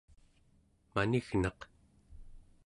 manignaq